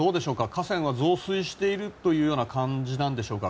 河川は増水している感じなんでしょうか